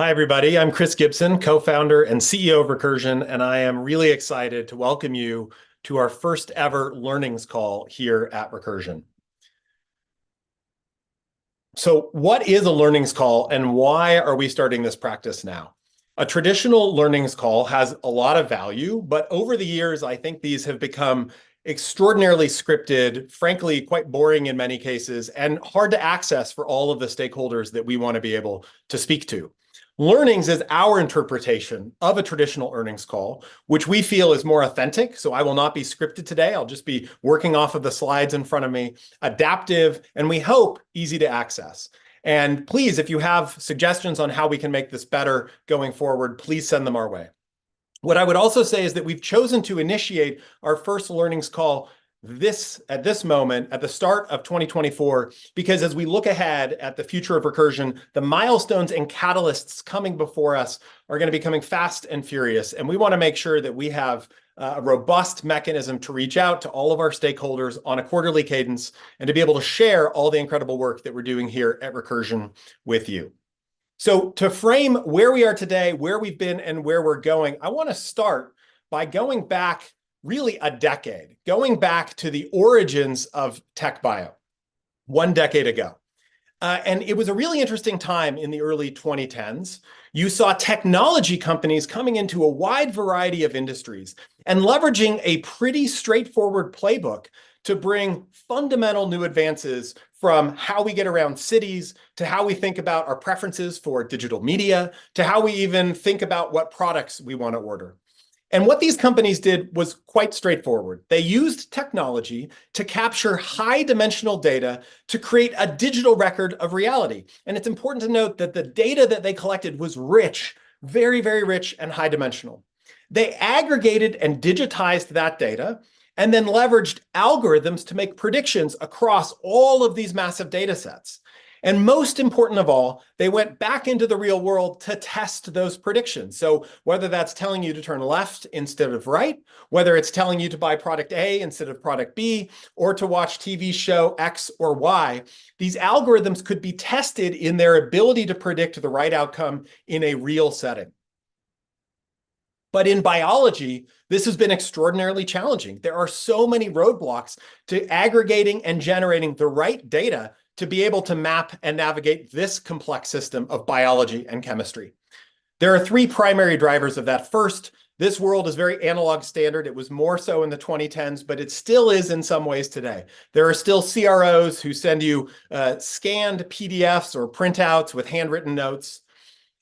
Hi, everybody. I'm Chris Gibson, co-founder and CEO of Recursion, and I am really excited to welcome you to our first ever Learnings Call here at Recursion. So what is a Learnings Call, and why are we starting this practice now? A traditional learnings call has a lot of value, but over the years, I think these have become extraordinarily scripted, frankly, quite boring in many cases, and hard to access for all of the stakeholders that we want to be able to speak to. Learnings is our interpretation of a traditional earnings call, which we feel is more authentic, so I will not be scripted today, I'll just be working off of the slides in front of me, adaptive, and we hope, easy to access. Please, if you have suggestions on how we can make this better going forward, please send them our way. What I would also say is that we've chosen to initiate our first Learnings Call at this moment, at the start of 2024, because as we look ahead at the future of Recursion, the milestones and catalysts coming before us are going to be coming fast and furious, and we want to make sure that we have a robust mechanism to reach out to all of our stakeholders on a quarterly cadence, and to be able to share all the incredible work that we're doing here at Recursion with you. So to frame where we are today, where we've been, and where we're going, I want to start by going back really a decade, going back to the origins of TechBio one decade ago. It was a really interesting time in the early 2010s. You saw technology companies coming into a wide variety of industries and leveraging a pretty straightforward playbook to bring fundamental new advances from how we get around cities, to how we think about our preferences for digital media, to how we even think about what products we want to order. And what these companies did was quite straightforward. They used technology to capture high-dimensional data to create a digital record of reality, and it's important to note that the data that they collected was rich, very, very rich, and high-dimensional. They aggregated and digitized that data, and then leveraged algorithms to make predictions across all of these massive data sets. And most important of all, they went back into the real world to test those predictions. So whether that's telling you to turn left instead of right, whether it's telling you to buy product A instead of product B, or to watch TV show X or Y, these algorithms could be tested in their ability to predict the right outcome in a real setting. But in biology, this has been extraordinarily challenging. There are so many roadblocks to aggregating and generating the right data to be able to map and navigate this complex system of biology and chemistry. There are three primary drivers of that. First, this world is very analog standard. It was more so in the 2010s, but it still is in some ways today. There are still CROs who send you scanned PDFs or printouts with handwritten notes.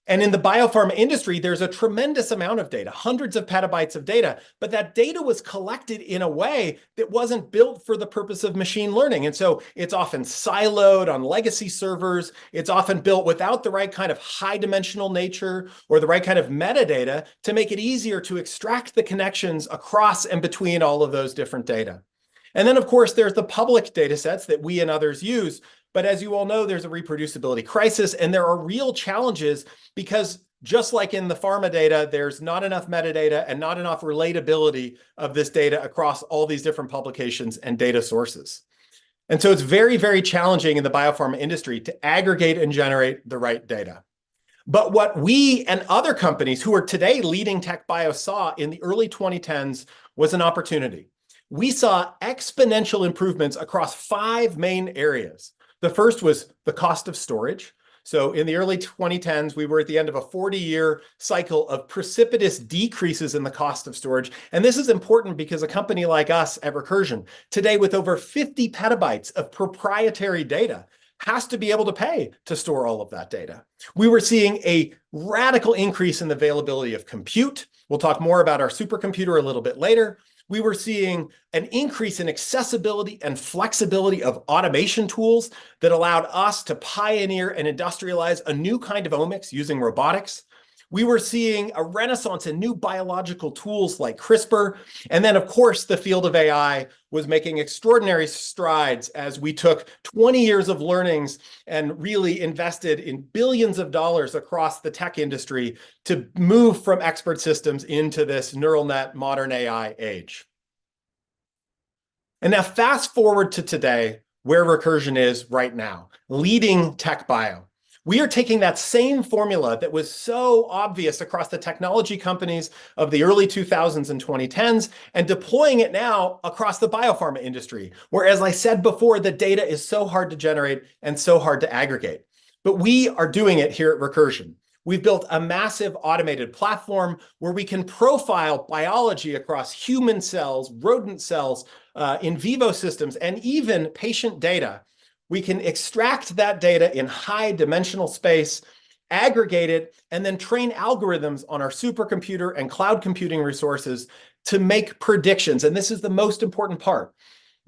In the biopharma industry, there's a tremendous amount of data, hundreds of petabytes of data, but that data was collected in a way that wasn't built for the purpose of machine learning, and so it's often siloed on legacy servers, it's often built without the right kind of high-dimensional nature or the right kind of metadata to make it easier to extract the connections across and between all of those different data. And then, of course, there's the public data sets that we and others use. But as you all know, there's a reproducibility crisis, and there are real challenges because just like in the pharma data, there's not enough metadata and not enough relatability of this data across all these different publications and data sources. And so it's very, very challenging in the biopharma industry to aggregate and generate the right data. But what we and other companies who are today leading TechBio saw in the early 2010s was an opportunity. We saw exponential improvements across five main areas. The first was the cost of storage. So in the early 2010s, we were at the end of a 40-year cycle of precipitous decreases in the cost of storage, and this is important because a company like us at Recursion, today, with over 50 PB of proprietary data, has to be able to pay to store all of that data. We were seeing a radical increase in the availability of compute. We'll talk more about our supercomputer a little bit later. We were seeing an increase in accessibility and flexibility of automation tools that allowed us to pioneer and industrialize a new kind of omics using robotics. We were seeing a renaissance in new biological tools like CRISPR, and then, of course, the field of AI was making extraordinary strides as we took 20 years of learnings and really invested in $ billions across the tech industry to move from expert systems into this neural net modern AI age. Now fast-forward to today, where Recursion is right now, leading TechBio. We are taking that same formula that was so obvious across the technology companies of the early 2000s and 2010s, and deploying it now across the biopharma industry, where, as I said before, the data is so hard to generate and so hard to aggregate. We are doing it here at Recursion. We've built a massive automated platform where we can profile biology across human cells, rodent cells, in vivo systems, and even patient data. We can extract that data in high-dimensional space, aggregate it, and then train algorithms on our supercomputer and cloud computing resources to make predictions, and this is the most important part.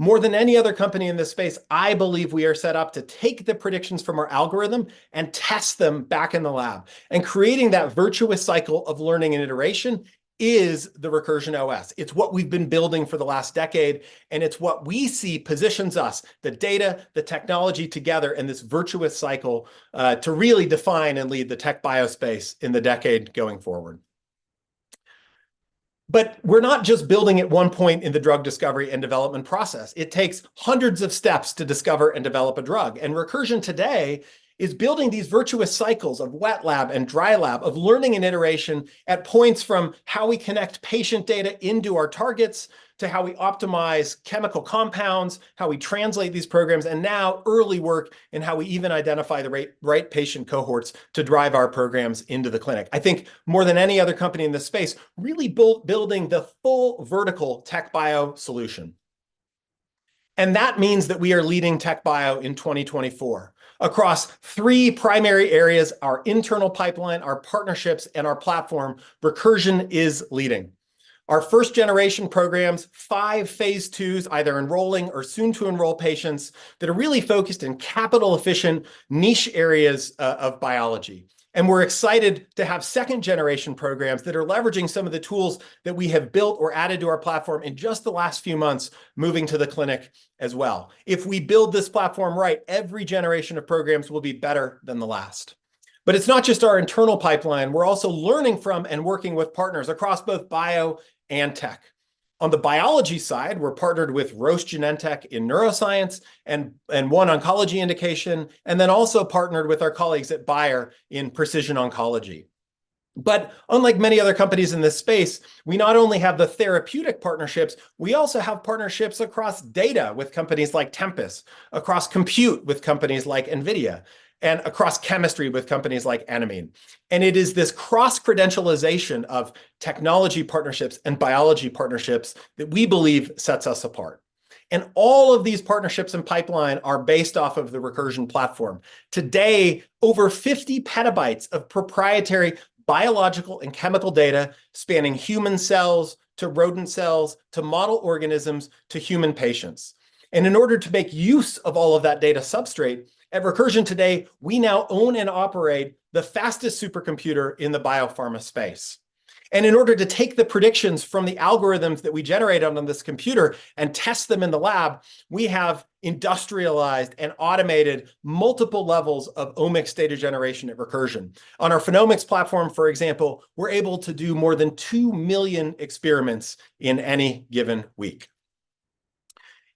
More than any other company in this space, I believe we are set up to take the predictions from our algorithm and test them back in the lab. Creating that virtuous cycle of learning and iteration is the Recursion OS. It's what we've been building for the last decade, and it's what we see positions us, the data, the technology together, and this virtuous cycle, to really define and lead the TechBio space in the decade going forward... But we're not just building at one point in the drug discovery and development process. It takes hundreds of steps to discover and develop a drug, and Recursion today is building these virtuous cycles of wet lab and dry lab, of learning and iteration at points from how we connect patient data into our targets, to how we optimize chemical compounds, how we translate these programs, and now early work in how we even identify the right patient cohorts to drive our programs into the clinic. I think more than any other company in this space, really building the full vertical TechBio solution. And that means that we are leading TechBio in 2024. Across three primary areas, our internal pipeline, our partnerships, and our platform, Recursion is leading. Our first-generation programs, five phase IIs, either enrolling or soon to enroll patients, that are really focused in capital-efficient niche areas of biology. We're excited to have second-generation programs that are leveraging some of the tools that we have built or added to our platform in just the last few months, moving to the clinic as well. If we build this platform right, every generation of programs will be better than the last. But it's not just our internal pipeline, we're also learning from and working with partners across both bio and tech. On the biology side, we're partnered with Roche Genentech in neuroscience and one oncology indication, and then also partnered with our colleagues at Bayer in precision oncology. But unlike many other companies in this space, we not only have the therapeutic partnerships, we also have partnerships across data with companies like Tempus, across compute with companies like NVIDIA, and across chemistry with companies like Enamine. It is this cross-credentialization of technology partnerships and biology partnerships that we believe sets us apart. All of these partnerships and pipeline are based off of the Recursion platform. Today, over 50 PB of proprietary biological and chemical data, spanning human cells, to rodent cells, to model organisms, to human patients. In order to make use of all of that data substrate, at Recursion today, we now own and operate the fastest supercomputer in the biopharma space. In order to take the predictions from the algorithms that we generate on this computer and test them in the lab, we have industrialized and automated multiple levels of omics data generation at Recursion. On our Phenomics platform, for example, we're able to do more than 2 million experiments in any given week.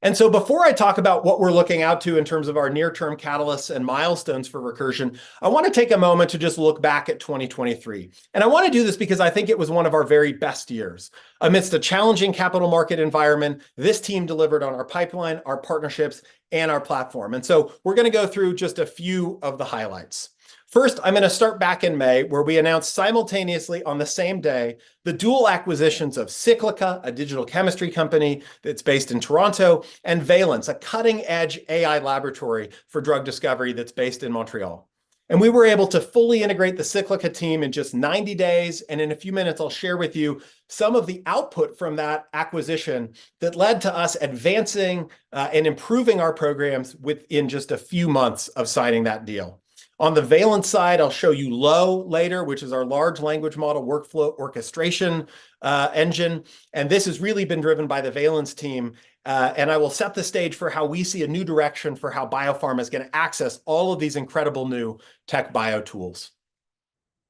Before I talk about what we're looking out to in terms of our near-term catalysts and milestones for Recursion, I wanna take a moment to just look back at 2023. I wanna do this because I think it was one of our very best years. Amidst a challenging capital market environment, this team delivered on our pipeline, our partnerships, and our platform. We're gonna go through just a few of the highlights. First, I'm gonna start back in May, where we announced simultaneously, on the same day, the dual acquisitions of Cyclica, a digital chemistry company that's based in Toronto, and Valence, a cutting-edge AI laboratory for drug discovery that's based in Montreal. We were able to fully integrate the Cyclica team in just 90 days, and in a few minutes, I'll share with you some of the output from that acquisition that led to us advancing and improving our programs within just a few months of signing that deal. On the Valence side, I'll show you LOWE later, which is our large language model workflow orchestration engine, and this has really been driven by the Valence team. I will set the stage for how we see a new direction for how biopharma is gonna access all of these incredible new TechBio tools.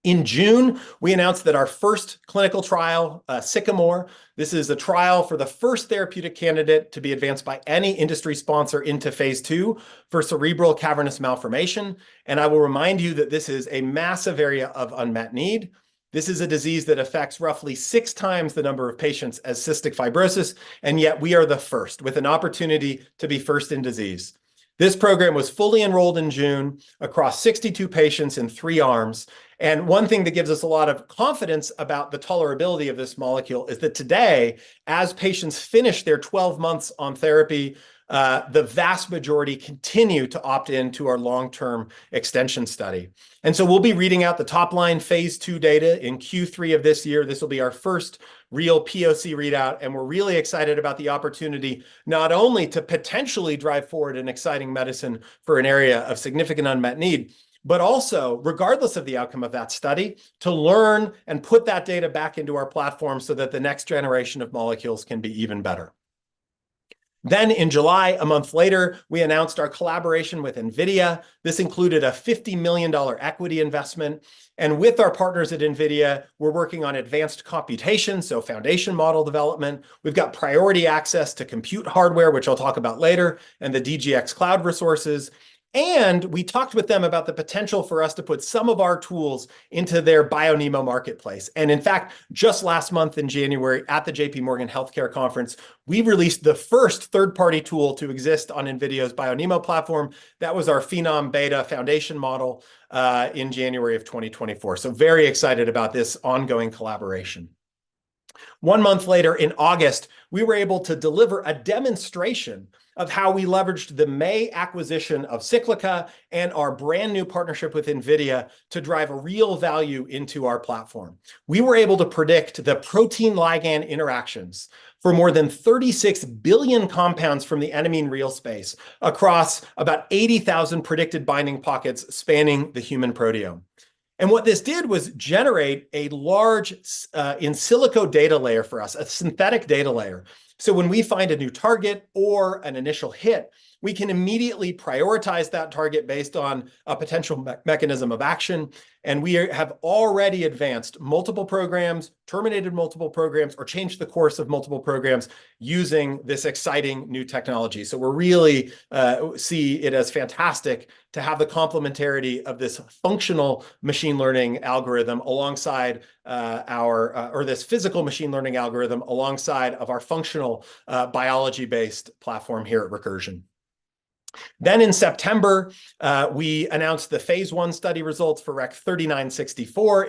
In June, we announced that our first clinical trial, Sycamore, this is a trial for the first therapeutic candidate to be advanced by any industry sponsor into phase II for cerebral cavernous malformation, and I will remind you that this is a massive area of unmet need. This is a disease that affects roughly six times the number of patients as cystic fibrosis, and yet we are the first, with an opportunity to be first in disease. This program was fully enrolled in June across 62 patients in three arms, and one thing that gives us a lot of confidence about the tolerability of this molecule is that today, as patients finish their 12 months on therapy, the vast majority continue to opt in to our long-term extension study. And so we'll be reading out the top-line phase II data in Q3 of this year. This will be our first real POC readout, and we're really excited about the opportunity not only to potentially drive forward an exciting medicine for an area of significant unmet need, but also, regardless of the outcome of that study, to learn and put that data back into our platform so that the next generation of molecules can be even better. Then in July, a month later, we announced our collaboration with NVIDIA. This included a $50 million equity investment, and with our partners at NVIDIA, we're working on advanced computation, so foundation model development. We've got priority access to compute hardware, which I'll talk about later, and the DGX Cloud resources. And we talked with them about the potential for us to put some of our tools into their BioNeMo marketplace. In fact, just last month in January, at the J.P. Morgan Healthcare Conference, we released the first third-party tool to exist on NVIDIA's BioNeMo platform. That was our Phenom Beta foundation model in January of 2024. So very excited about this ongoing collaboration. One month later, in August, we were able to deliver a demonstration of how we leveraged the May acquisition of Cyclica and our brand-new partnership with NVIDIA to drive real value into our platform. We were able to predict the protein-ligand interactions for more than 36 billion compounds from the Enamine REAL Space across about 80,000 predicted binding pockets spanning the human proteome. What this did was generate a large in silico data layer for us, a synthetic data layer. So when we find a new target or an initial hit, we can immediately prioritize that target based on a potential mechanism of action, and we have already advanced multiple programs, terminated multiple programs, or changed the course of multiple programs using this exciting new technology. So we're really see it as fantastic to have the complementarity of this functional machine learning algorithm alongside our or this physical machine learning algorithm alongside of our functional biology-based platform here at Recursion. Then in September, we announced the phase I study results for REC-3964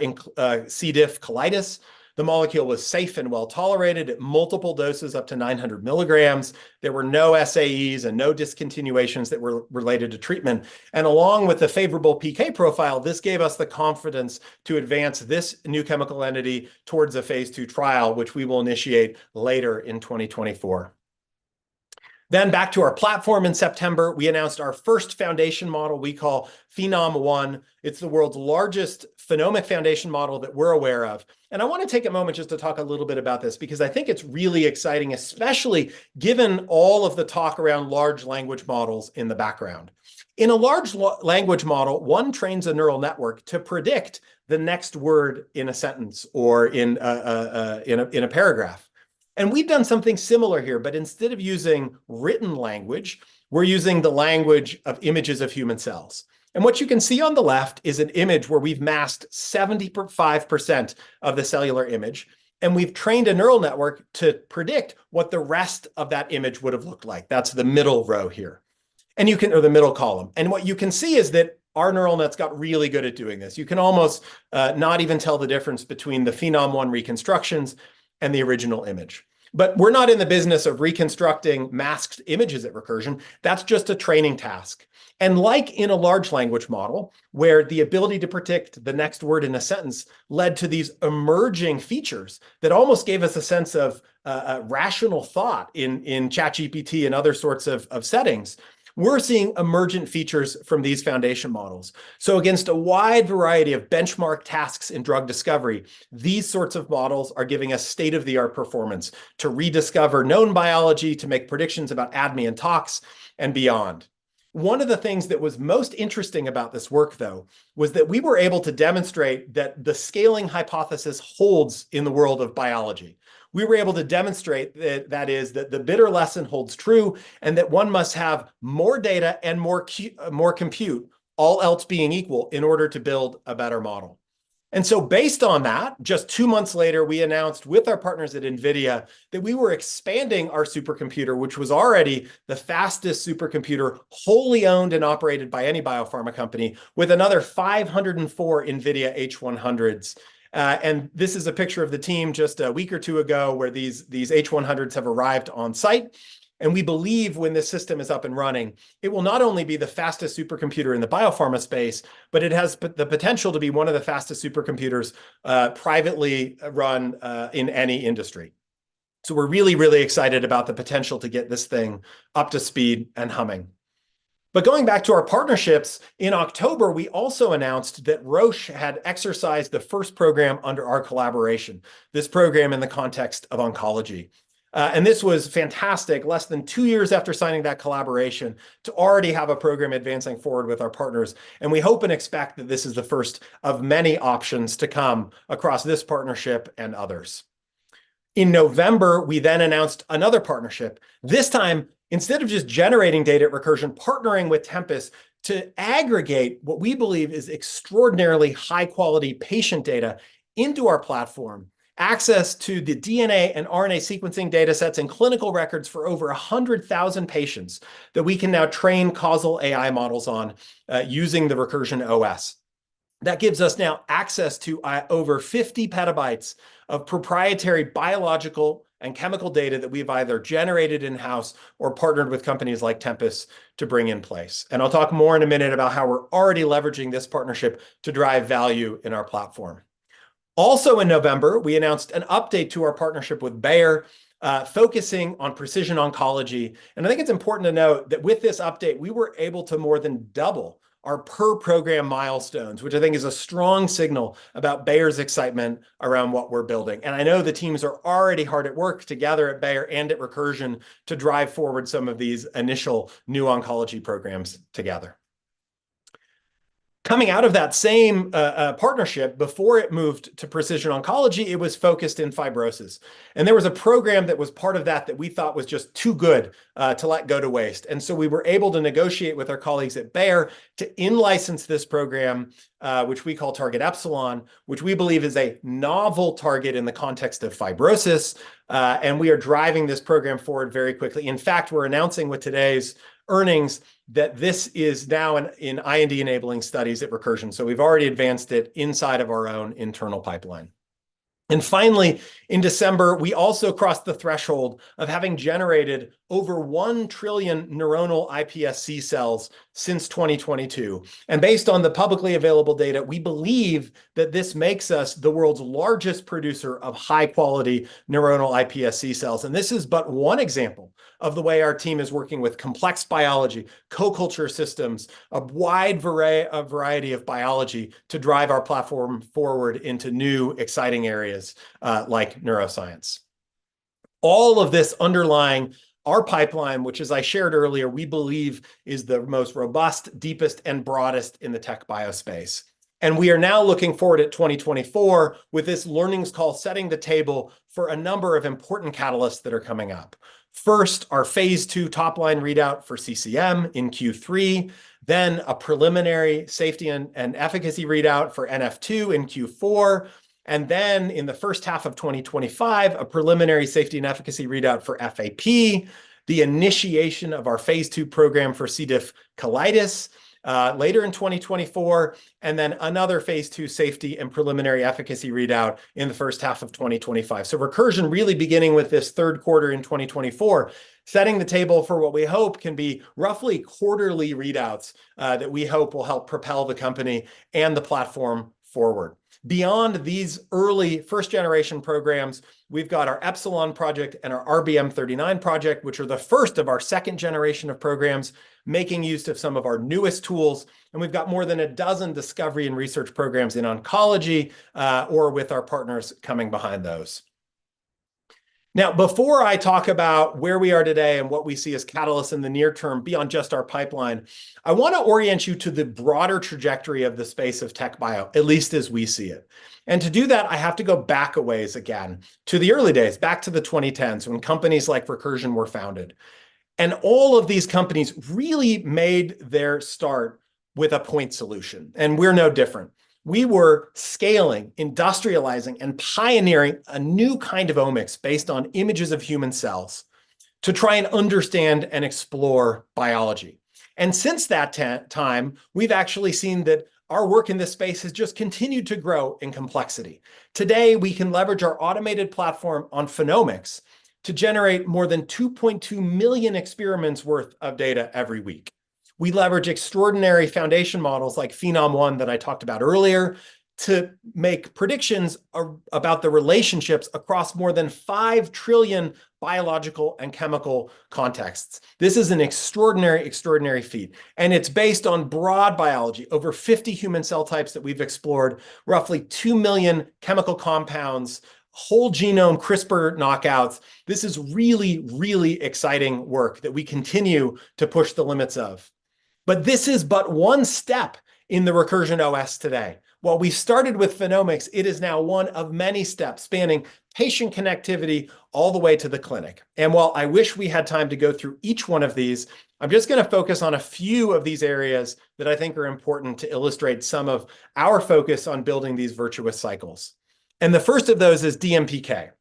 in C. diff colitis. The molecule was safe and well-tolerated at multiple doses up to 900 mg. There were no SAEs and no discontinuations that were related to treatment. Along with the favorable PK profile, this gave us the confidence to advance this new chemical entity towards a phase II trial, which we will initiate later in 2024. Then back to our platform in September, we announced our first foundation model we call Phenom-1. It's the world's largest phenomic foundation model that we're aware of, and I want to take a moment just to talk a little bit about this, because I think it's really exciting, especially given all of the talk around large language models in the background. In a large language model, one trains a neural network to predict the next word in a sentence or in a paragraph. We've done something similar here, but instead of using written language, we're using the language of images of human cells. What you can see on the left is an image where we've masked 75% of the cellular image, and we've trained a neural network to predict what the rest of that image would have looked like. That's the middle row here, and you can... or the middle column. What you can see is that our neural nets got really good at doing this. You can almost not even tell the difference between the Phenom-1 reconstructions and the original image. But we're not in the business of reconstructing masked images at Recursion. That's just a training task. Like in a large language model, where the ability to predict the next word in a sentence led to these emerging features, that almost gave us a sense of rational thought in ChatGPT and other sorts of settings, we're seeing emergent features from these foundation models. So against a wide variety of benchmark tasks in drug discovery, these sorts of models are giving us state-of-the-art performance to rediscover known biology, to make predictions about ADME and tox, and beyond. One of the things that was most interesting about this work, though, was that we were able to demonstrate that the scaling hypothesis holds in the world of biology. We were able to demonstrate that, that is, that the bitter lesson holds true, and that one must have more data and more compute, all else being equal, in order to build a better model. And so based on that, just two months later, we announced with our partners at NVIDIA that we were expanding our supercomputer, which was already the fastest supercomputer, wholly owned and operated by any biopharma company, with another 504 NVIDIA H100s. And this is a picture of the team just a week or two ago, where these H100s have arrived on site, and we believe when this system is up and running, it will not only be the fastest supercomputer in the biopharma space, but it has the potential to be one of the fastest supercomputers, privately run, in any industry. So we're really, really excited about the potential to get this thing up to speed and humming. But going back to our partnerships, in October, we also announced that Roche had exercised the first program under our collaboration, this program in the context of oncology. And this was fantastic, less than two years after signing that collaboration, to already have a program advancing forward with our partners, and we hope and expect that this is the first of many options to come across this partnership and others. In November, we then announced another partnership. This time, instead of just generating data at Recursion, partnering with Tempus to aggregate what we believe is extraordinarily high-quality patient data into our platform, access to the DNA and RNA sequencing data sets and clinical records for over 100,000 patients, that we can now train causal AI models on, using the Recursion OS. That gives us now access to over 50 PB of proprietary biological and chemical data that we've either generated in-house or partnered with companies like Tempus to bring in place. And I'll talk more in a minute about how we're already leveraging this partnership to drive value in our platform. Also in November, we announced an update to our partnership with Bayer, focusing on precision oncology. And I think it's important to note that with this update, we were able to more than double our per-program milestones, which I think is a strong signal about Bayer's excitement around what we're building. And I know the teams are already hard at work together at Bayer and at Recursion to drive forward some of these initial new oncology programs together. Coming out of that same partnership, before it moved to precision oncology, it was focused in fibrosis. There was a program that was part of that, that we thought was just too good to let go to waste. So we were able to negotiate with our colleagues at Bayer to in-license this program, which we call Target Epsilon, which we believe is a novel target in the context of fibrosis, and we are driving this program forward very quickly. In fact, we're announcing with today's earnings that this is now in IND-enabling studies at Recursion. So we've already advanced it inside of our own internal pipeline. And finally, in December, we also crossed the threshold of having generated over 1 trillion neuronal iPSC cells since 2022. And based on the publicly available data, we believe that this makes us the world's largest producer of high-quality neuronal iPSC cells. This is but one example of the way our team is working with complex biology, co-culture systems, a wide variety of biology to drive our platform forward into new, exciting areas, like neuroscience... all of this underlying our pipeline, which, as I shared earlier, we believe is the most robust, deepest, and broadest in the TechBio space. We are now looking forward at 2024, with this learnings call setting the table for a number of important catalysts that are coming up. First, our phase II top-line readout for CCM in Q3, then a preliminary safety and efficacy readout for NF2 in Q4, and then in the first half of 2025, a preliminary safety and efficacy readout for FAP, the initiation of our phase II program for C. diff colitis, later in 2024, and then another phase II safety and preliminary efficacy readout in the first half of 2025. So Recursion really beginning with this third quarter in 2024, setting the table for what we hope can be roughly quarterly readouts, that we hope will help propel the company and the platform forward. Beyond these early first-generation programs, we've got our Epsilon project and our RBM39 project, which are the first of our second generation of programs, making use of some of our newest tools, and we've got more than a dozen discovery and research programs in oncology, or with our partners coming behind those. Now, before I talk about where we are today and what we see as catalysts in the near term beyond just our pipeline, I wanna orient you to the broader trajectory of the space of TechBio, at least as we see it. And to do that, I have to go back a ways again to the early days, back to the 2010s, when companies like Recursion were founded. And all of these companies really made their start with a point solution, and we're no different. We were scaling, industrializing, and pioneering a new kind of omics based on images of human cells to try and understand and explore biology. And since that time, we've actually seen that our work in this space has just continued to grow in complexity. Today, we can leverage our automated platform on Phenomics to generate more than 2.2 million experiments worth of data every week. We leverage extraordinary foundation models like Phenom-1, that I talked about earlier, to make predictions about the relationships across more than 5 trillion biological and chemical contexts. This is an extraordinary, extraordinary feat, and it's based on broad biology, over 50 human cell types that we've explored, roughly 2 million chemical compounds, whole genome CRISPR knockouts. This is really, really exciting work that we continue to push the limits of. But this is but one step in the Recursion OS today. While we started with Phenomics, it is now one of many steps, spanning patient connectivity all the way to the clinic. While I wish we had time to go through each one of these, I'm just gonna focus on a few of these areas that I think are important to illustrate some of our focus on building these virtuous cycles. The first of those is DMPK.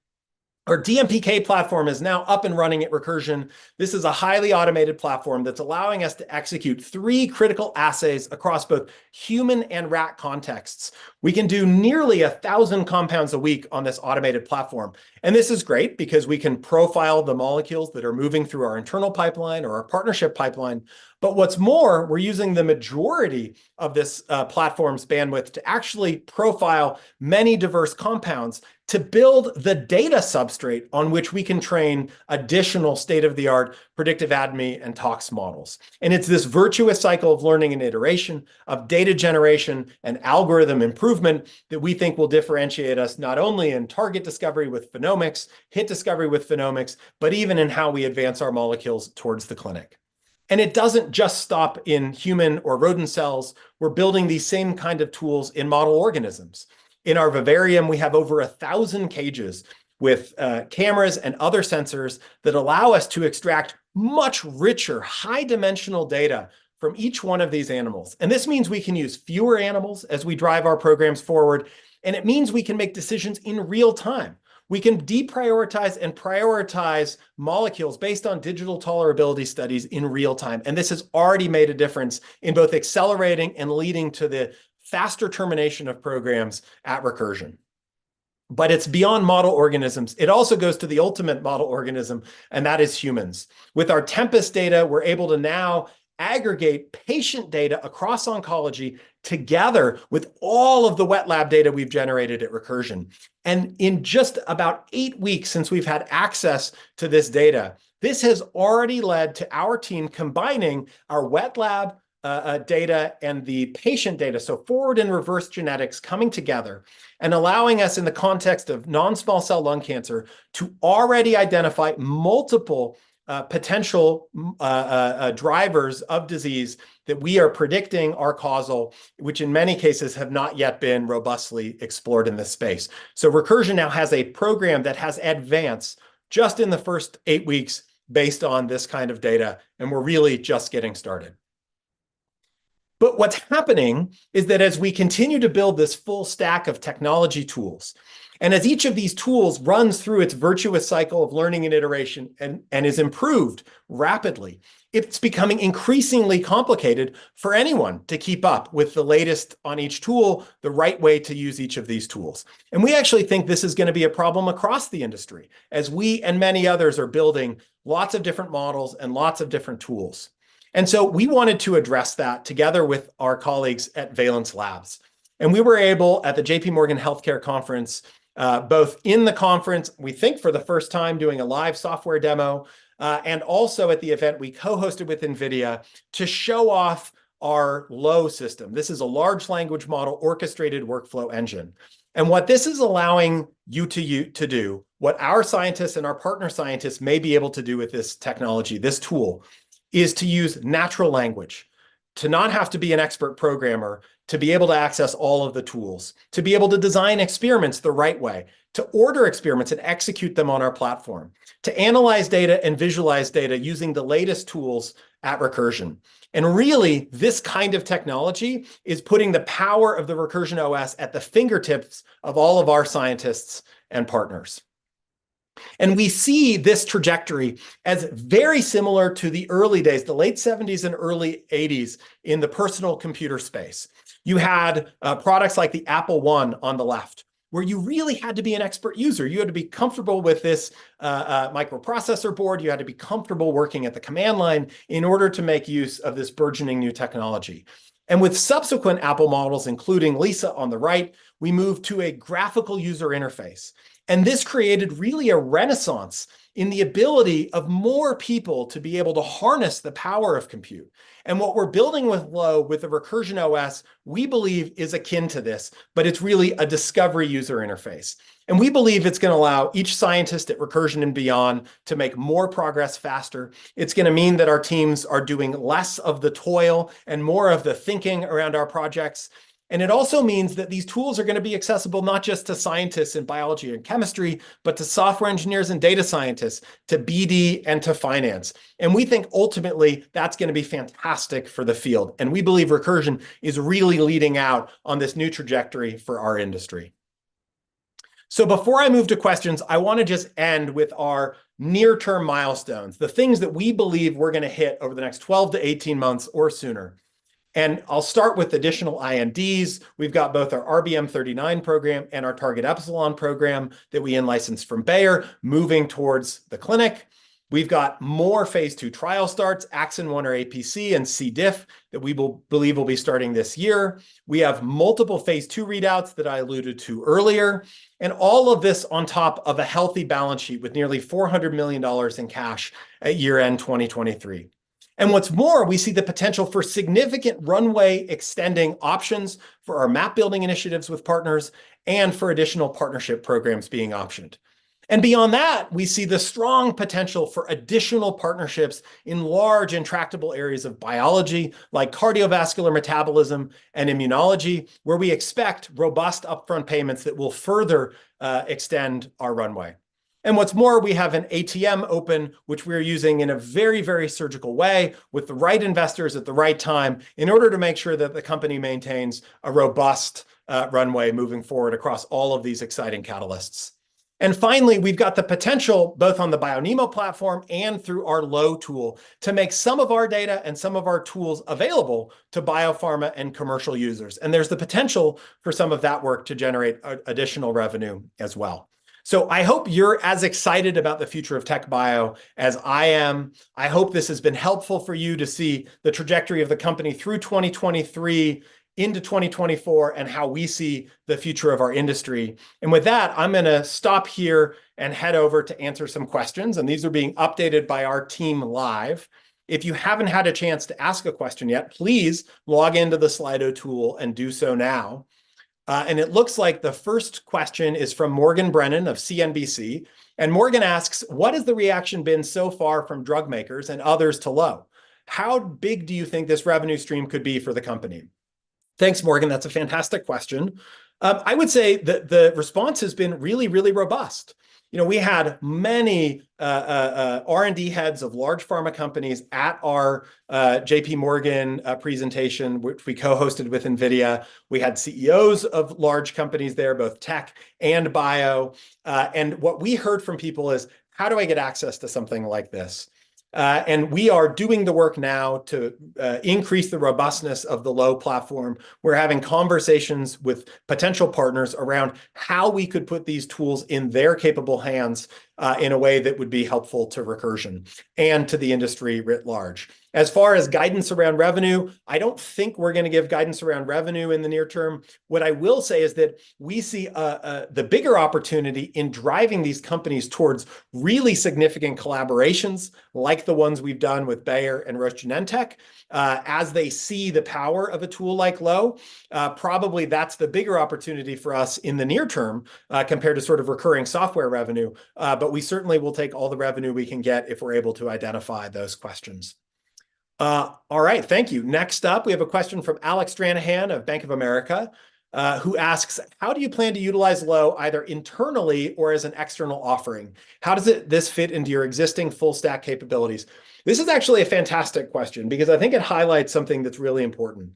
Our DMPK platform is now up and running at Recursion. This is a highly automated platform that's allowing us to execute three critical assays across both human and rat contexts. We can do nearly 1,000 compounds a week on this automated platform, and this is great because we can profile the molecules that are moving through our internal pipeline or our partnership pipeline. But what's more, we're using the majority of this platform's bandwidth to actually profile many diverse compounds to build the data substrate on which we can train additional state-of-the-art predictive ADME and tox models. It's this virtuous cycle of learning and iteration, of data generation and algorithm improvement, that we think will differentiate us, not only in target discovery with Phenomics, hit discovery with Phenomics, but even in how we advance our molecules towards the clinic. It doesn't just stop in human or rodent cells; we're building these same kind of tools in model organisms. In our vivarium, we have over 1,000 cages with cameras and other sensors that allow us to extract much richer, high-dimensional data from each one of these animals. This means we can use fewer animals as we drive our programs forward, and it means we can make decisions in real time. We can deprioritize and prioritize molecules based on digital tolerability studies in real time, and this has already made a difference in both accelerating and leading to the faster termination of programs at Recursion. But it's beyond model organisms. It also goes to the ultimate model organism, and that is humans. With our Tempus data, we're able to now aggregate patient data across oncology together with all of the wet lab data we've generated at Recursion. In just about eight weeks since we've had access to this data, this has already led to our team combining our wet lab data and the patient data, so forward and reverse genetics coming together and allowing us, in the context of non-small cell lung cancer, to already identify multiple potential drivers of disease that we are predicting are causal, which in many cases have not yet been robustly explored in this space. Recursion now has a program that has advanced just in the first eight weeks based on this kind of data, and we're really just getting started. But what's happening is that as we continue to build this full stack of technology tools, and as each of these tools runs through its virtuous cycle of learning and iteration and, and is improved rapidly, it's becoming increasingly complicated for anyone to keep up with the latest on each tool, the right way to use each of these tools. And we actually think this is gonna be a problem across the industry, as we and many others are building lots of different models and lots of different tools. And so we wanted to address that together with our colleagues at Valence Labs. And we were able, at the JPMorgan Healthcare Conference, both in the conference, we think for the first time, doing a live software demo, and also at the event we co-hosted with NVIDIA, to show off our LOWE system. This is a large language model, orchestrated workflow engine. And what this is allowing you to do, what our scientists and our partner scientists may be able to do with this technology, this tool, is to use natural language to not have to be an expert programmer to be able to access all of the tools, to be able to design experiments the right way, to order experiments and execute them on our platform, to analyze data and visualize data using the latest tools at Recursion. And really, this kind of technology is putting the power of the Recursion OS at the fingertips of all of our scientists and partners. And we see this trajectory as very similar to the early days, the late 1970s and early 1980s, in the personal computer space. You had products like the Apple I on the left, where you really had to be an expert user. You had to be comfortable with this microprocessor board. You had to be comfortable working at the command line in order to make use of this burgeoning new technology. And with subsequent Apple models, including Lisa on the right, we moved to a graphical user interface, and this created really a renaissance in the ability of more people to be able to harness the power of compute. And what we're building with LOWE, with the Recursion OS, we believe is akin to this, but it's really a discovery user interface. And we believe it's gonna allow each scientist at Recursion and beyond to make more progress faster. It's gonna mean that our teams are doing less of the toil and more of the thinking around our projects. It also means that these tools are gonna be accessible not just to scientists in biology and chemistry, but to software engineers and data scientists, to BD and to finance. We think ultimately, that's gonna be fantastic for the field, and we believe Recursion is really leading out on this new trajectory for our industry. Before I move to questions, I wanna just end with our near-term milestones, the things that we believe we're gonna hit over the next 12-18 months or sooner. I'll start with additional INDs. We've got both our RBM39 program and our Target Epsilon program that we in-licensed from Bayer, moving towards the clinic. We've got more phase II trial starts, AXIN1/APC, and C. diff, that we believe will be starting this year. We have multiple phase II readouts that I alluded to earlier, and all of this on top of a healthy balance sheet, with nearly $400 million in cash at year-end 2023. And what's more, we see the potential for significant runway-extending options for our map-building initiatives with partners and for additional partnership programs being optioned. And beyond that, we see the strong potential for additional partnerships in large, intractable areas of biology, like cardiovascular metabolism and immunology, where we expect robust upfront payments that will further extend our runway. And what's more, we have an ATM open, which we're using in a very, very surgical way with the right investors at the right time, in order to make sure that the company maintains a robust runway moving forward across all of these exciting catalysts. And finally, we've got the potential, both on the BioNeMo platform and through our LOWE tool, to make some of our data and some of our tools available to biopharma and commercial users, and there's the potential for some of that work to generate additional revenue as well. So I hope you're as excited about the future of TechBio as I am. I hope this has been helpful for you to see the trajectory of the company through 2023 into 2024, and how we see the future of our industry. And with that, I'm gonna stop here and head over to answer some questions, and these are being updated by our team live. If you haven't had a chance to ask a question yet, please log in to the Slido tool and do so now. And it looks like the first question is from Morgan Brennan of CNBC, and Morgan asks, "What has the reaction been so far from drug makers and others to LOWE? How big do you think this revenue stream could be for the company?" Thanks, Morgan. That's a fantastic question. I would say the response has been really, really robust. You know, we had many R&D heads of large pharma companies at our JPMorgan presentation, which we co-hosted with NVIDIA. We had CEOs of large companies there, both tech and bio. And what we heard from people is, "How do I get access to something like this?" And we are doing the work now to increase the robustness of the LOWE platform. We're having conversations with potential partners around how we could put these tools in their capable hands, in a way that would be helpful to Recursion and to the industry writ large. As far as guidance around revenue, I don't think we're gonna give guidance around revenue in the near term. What I will say is that we see, the bigger opportunity in driving these companies towards really significant collaborations, like the ones we've done with Bayer and Roche Genentech, as they see the power of a tool like LOWE. Probably that's the bigger opportunity for us in the near term, compared to sort of recurring software revenue, but we certainly will take all the revenue we can get if we're able to identify those questions. All right. Thank you. Next up, we have a question from Alec Stranahan of Bank of America, who asks, "How do you plan to utilize LOWE, either internally or as an external offering? How does this fit into your existing full-stack capabilities?" This is actually a fantastic question because I think it highlights something that's really important.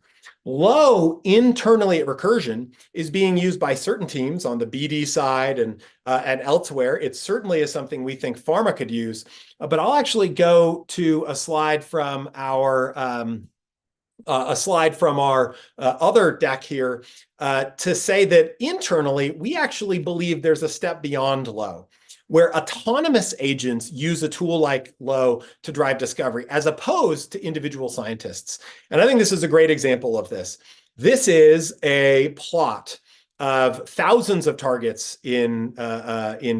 LOWE, internally at Recursion, is being used by certain teams on the BD side and elsewhere. It certainly is something we think pharma could use. But I'll actually go to a slide from our other deck here to say that internally, we actually believe there's a step beyond LOWE, where autonomous agents use a tool like LOWE to drive discovery, as opposed to individual scientists, and I think this is a great example of this. This is a plot of thousands of targets in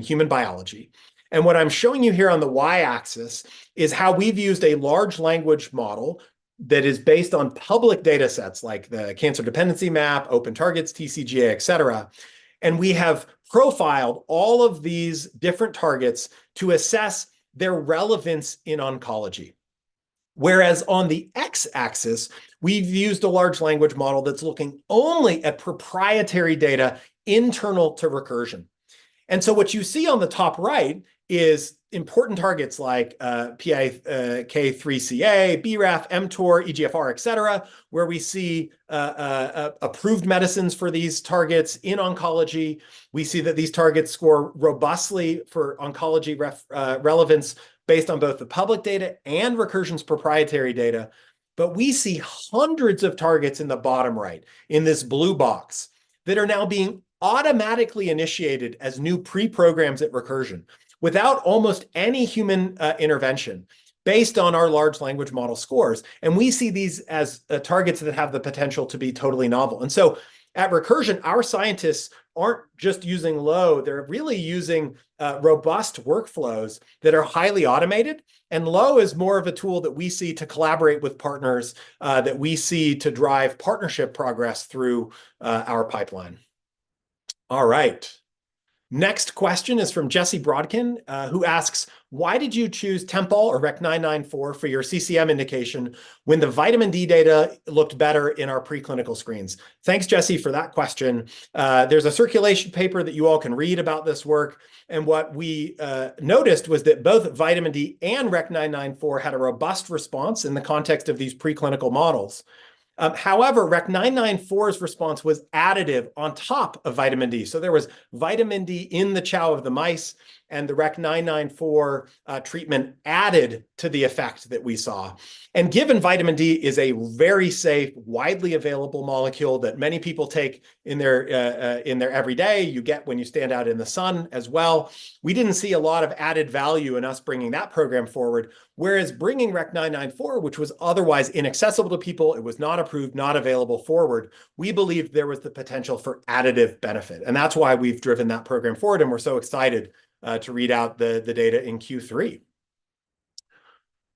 human biology. And what I'm showing you here on the y-axis is how we've used a large language model that is based on public data sets, like the Cancer Dependency Map, Open Targets, TCGA, et cetera, and we have profiled all of these different targets to assess their relevance in oncology, whereas on the x-axis, we've used a large language model that's looking only at proprietary data internal to Recursion. And so what you see on the top right is important targets like PIK3CA, BRAF, mTOR, EGFR, et cetera, where we see approved medicines for these targets in oncology. We see that these targets score robustly for oncology relevance based on both the public data and Recursion's proprietary data. But we see hundreds of targets in the bottom right, in this blue box, that are now being automatically initiated as new pre-programs at Recursion, without almost any human intervention, based on our large language model scores. And we see these as targets that have the potential to be totally novel. And so at Recursion, our scientists aren't just using LOWE, they're really using robust workflows that are highly automated, and LOWE is more of a tool that we see to collaborate with partners that we see to drive partnership progress through our pipeline. All right. Next question is from Jesse Brodkin who asks, "Why did you choose Tempol or REC-994 for your CCM indication when the vitamin D data looked better in our preclinical screens?" Thanks, Jesse, for that question. There's a circulation paper that you all can read about this work, and what we noticed was that both vitamin D and REC-994 had a robust response in the context of these preclinical models. However, REC-994's response was additive on top of vitamin D. So there was vitamin D in the chow of the mice, and the REC-994 treatment added to the effect that we saw. And given vitamin D is a very safe, widely available molecule that many people take in their every day, you get when you stand out in the sun as well, we didn't see a lot of added value in us bringing that program forward. Whereas bringing REC-994, which was otherwise inaccessible to people, it was not approved, not available forward, we believed there was the potential for additive benefit, and that's why we've driven that program forward, and we're so excited to read out the data in Q3.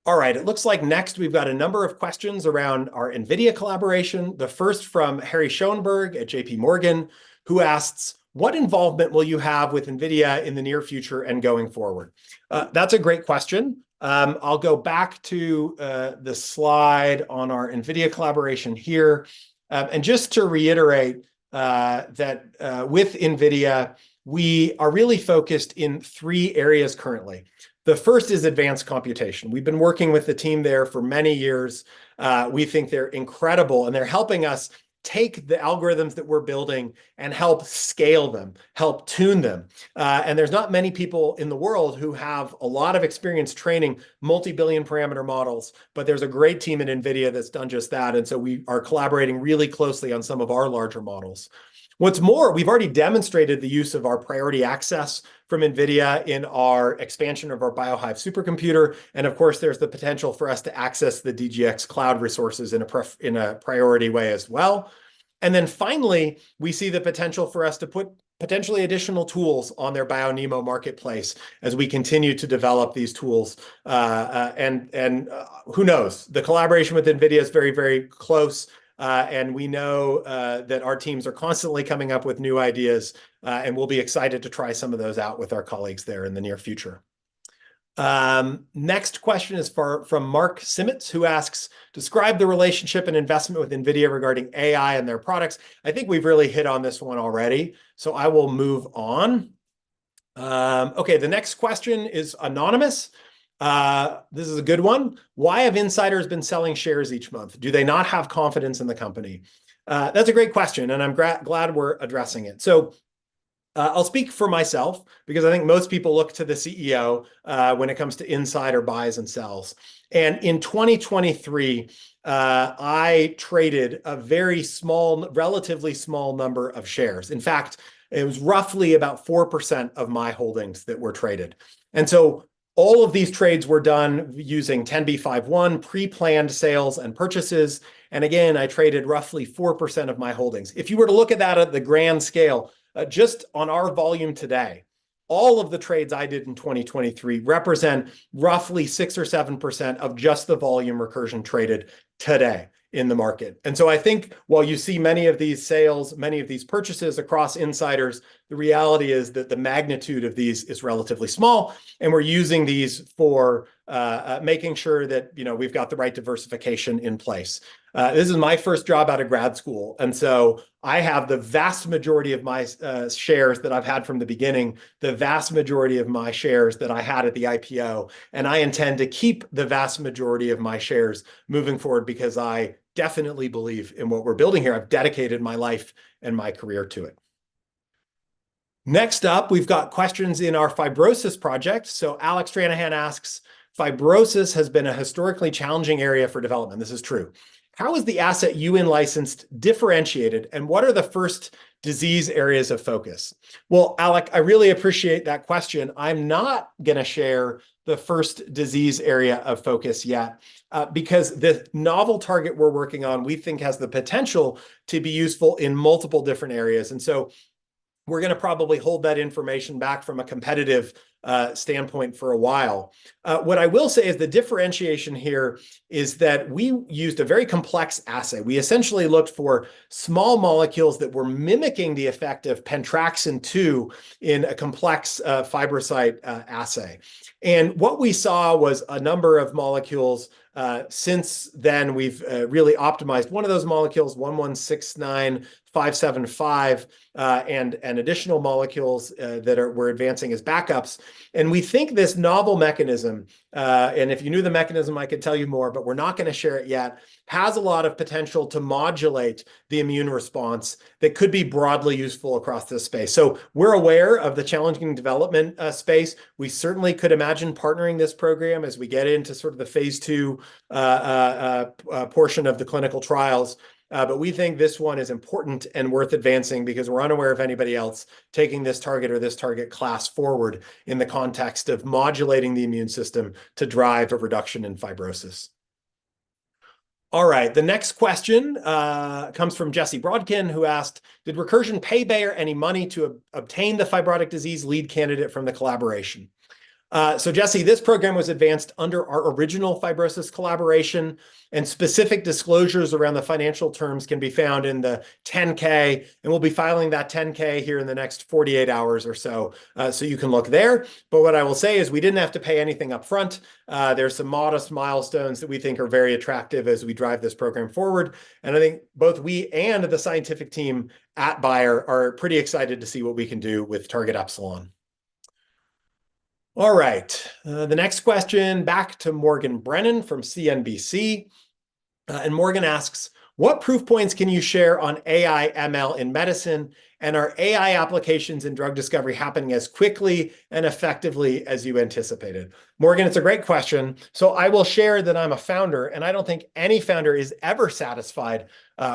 All right, it looks like next we've got a number of questions around our NVIDIA collaboration, the first from Harry Schoenberg at JPMorgan, who asks, "What involvement will you have with NVIDIA in the near future and going forward?" That's a great question. I'll go back to the slide on our NVIDIA collaboration here. And just to reiterate, that with NVIDIA, we are really focused in three areas currently. The first is advanced computation. We've been working with the team there for many years. We think they're incredible, and they're helping us take the algorithms that we're building and help scale them, help tune them. And there's not many people in the world who have a lot of experience training multi-billion parameter models, but there's a great team at NVIDIA that's done just that, and so we are collaborating really closely on some of our larger models. What's more, we've already demonstrated the use of our priority access from NVIDIA in our expansion of our BioHive supercomputer, and of course, there's the potential for us to access the DGX Cloud resources in a priority way as well. And then finally, we see the potential for us to put potentially additional tools on their BioNeMo marketplace as we continue to develop these tools. And who knows? The collaboration with NVIDIA is very, very close, and we know that our teams are constantly coming up with new ideas, and we'll be excited to try some of those out with our colleagues there in the near future. Next question is from Mark Simms, who asks, "Describe the relationship and investment with NVIDIA regarding AI and their products." I think we've really hit on this one already, so I will move on. Okay, the next question is anonymous. This is a good one: "Why have insiders been selling shares each month? Do they not have confidence in the company?" That's a great question, and I'm glad we're addressing it. So, I'll speak for myself because I think most people look to the CEO, when it comes to insider buys and sells. And in 2023, I traded a very small, relatively small number of shares. In fact, it was roughly about 4% of my holdings that were traded. And so all of these trades were done using 10b5-1 pre-planned sales and purchases, and again, I traded roughly 4% of my holdings. If you were to look at that at the grand scale, just on our volume today, all of the trades I did in 2023 represent roughly 6% or 7% of just the volume Recursion traded today in the market. And so I think while you see many of these sales, many of these purchases across insiders, the reality is that the magnitude of these is relatively small, and we're using these for, making sure that, you know, we've got the right diversification in place. This is my first job out of grad school, and so I have the vast majority of my shares that I've had from the beginning, the vast majority of my shares that I had at the IPO, and I intend to keep the vast majority of my shares moving forward because I definitely believe in what we're building here. I've dedicated my life and my career to it. Next up, we've got questions in our fibrosis project. So Alec Stranahan asks, "Fibrosis has been a historically challenging area for development." This is true. "How is the asset you in-licensed differentiated, and what are the first disease areas of focus?" Well, Alex, I really appreciate that question. I'm not gonna share the first disease area of focus yet, because the novel target we're working on, we think has the potential to be useful in multiple different areas, and we're gonna probably hold that information back from a competitive standpoint for a while. What I will say is the differentiation here is that we used a very complex assay. We essentially looked for small molecules that were mimicking the effect of Pentraxin 2 in a complex fibrocyte assay. What we saw was a number of molecules. Since then, we've really optimized one of those molecules, 1169575, and additional molecules that we're advancing as backups. And we think this novel mechanism, and if you knew the mechanism, I could tell you more, but we're not gonna share it yet, has a lot of potential to modulate the immune response that could be broadly useful across this space. So we're aware of the challenging development space. We certainly could imagine partnering this program as we get into sort of the phase II portion of the clinical trials. But we think this one is important and worth advancing because we're unaware of anybody else taking this target or this target class forward in the context of modulating the immune system to drive a reduction in fibrosis. All right, the next question comes from Jesse Brodkin, who asked, "Did Recursion pay Bayer any money to obtain the fibrotic disease lead candidate from the collaboration?" So Jesse, this program was advanced under our original fibrosis collaboration, and specific disclosures around the financial terms can be found in the 10-K, and we'll be filing that 10-K here in the next 48 hours or so. So you can look there. But what I will say is we didn't have to pay anything upfront. There are some modest milestones that we think are very attractive as we drive this program forward, and I think both we and the scientific team at Bayer are pretty excited to see what we can do with Target Epsilon. All right, the next question, back to Morgan Brennan from CNBC. Morgan asks, "What proof points can you share on AI/ML in medicine, and are AI applications in drug discovery happening as quickly and effectively as you anticipated?" Morgan, it's a great question. I will share that I'm a founder, and I don't think any founder is ever satisfied